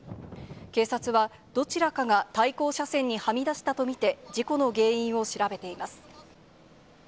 警察はどちらかが対向車線にはみ出したと見て、事故の原因を調べ